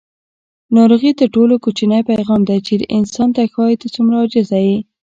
ناروغي تر ټولو کوچنی پیغام دی چې انسان ته ښایي: ته څومره عاجزه یې.